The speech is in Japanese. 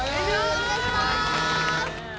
◆お願いします。